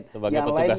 sebagai petugas partai